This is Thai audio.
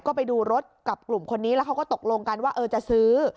ก็ไปดูรถกับกลุ่มคนนี้แล้วเขาก็ตกลงกันว่าเออจะซื้อ